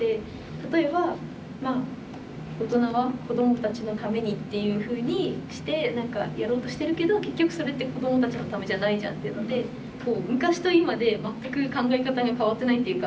例えばまあ大人は「子どもたちのために」っていうふうにして何かやろうとしてるけど結局それって子どもたちのためじゃないじゃんっていうのでこう昔と今で全く考え方が変わってないっていうか。